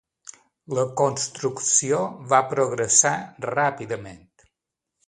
La construcció va progressar ràpidament.